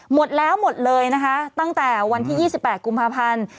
หมดแล้วหมดเลยนะคะตั้งแต่วันที่๒๘กุมภาพันธ์